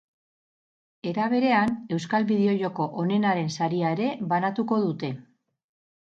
Era berean, euskal bideojoko onenaren saria ere banatuko dute.